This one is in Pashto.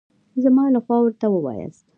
زما له خوا ورته ووایاست.